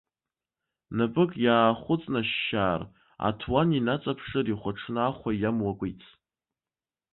Напык иаахәыҵнашьшьаар, аҭуан инаҵаԥшыр ихәаҽны ахәа иамоу акәиц.